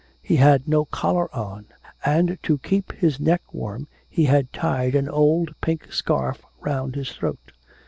He had no collar on, and to keep his neck warm he had tied an old pink scarf round his throat.